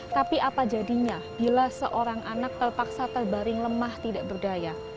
tapi apa jadinya bila seorang anak terpaksa terbaring lemah tidak berdaya